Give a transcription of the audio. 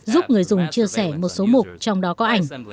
giúp người dùng chia sẻ một số mục trong đó có ảnh